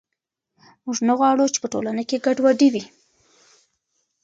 موږ نه غواړو چې په ټولنه کې ګډوډي وي.